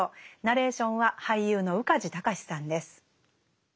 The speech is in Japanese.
ナレーションは俳優の宇梶剛士さんです。